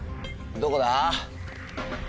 どこだ？